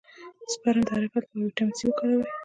د سپرم د حرکت لپاره ویټامین سي وکاروئ